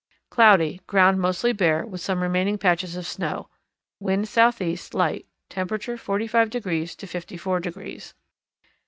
Cloudy; ground mostly bare, with some remaining patches of snow; wind southeast, light; temperature 45 degrees to 54 degrees.